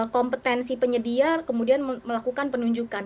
kompetensi penyedia kemudian melakukan penunjukan